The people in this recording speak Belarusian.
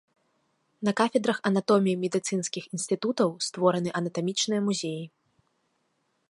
На кафедрах анатоміі медыцынскіх інстытутаў створаны анатамічныя музеі.